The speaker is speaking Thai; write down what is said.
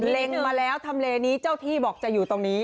เล็งมาแล้วทำเลนี้เจ้าที่บอกจะอยู่ตรงนี้